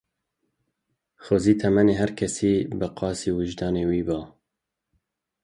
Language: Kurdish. Xwezî temenê her kesî bi qasî wijdanê wî ba.